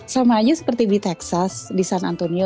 sama aja seperti di texas di san antonio